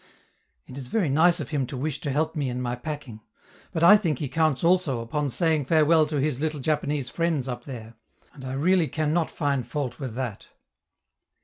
It is very nice of him to wish to help me in my packing; but I think he counts also upon saying farewell to his little Japanese friends up there, and I really can not find fault with that.